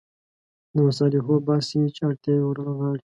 د مصالحو بحث چې اړتیاوې رانغاړي.